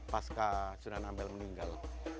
paska sunan ampel meninggal